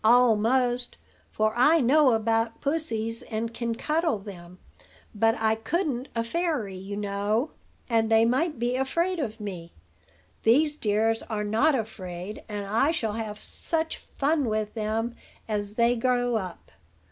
"Almost: for I know about pussies, and can cuddle them; but I couldn't a fairy, you know, and they might be afraid of me. These dears are not afraid, and I shall have such fun with them as they grow up.